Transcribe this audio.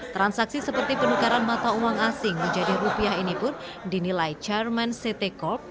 transaksi seperti penukaran mata uang asing menjadi rupiah ini pun dinilai chairman ct corp